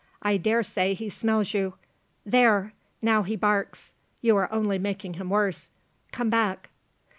I dare say he smells you. There! Now he barks! You are only making him worse. Come back!"